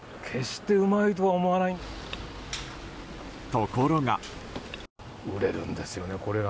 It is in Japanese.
ところが。